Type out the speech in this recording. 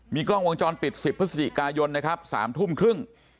กล้องวงจรปิด๑๐พฤศจิกายนนะครับ๓ทุ่มครึ่ง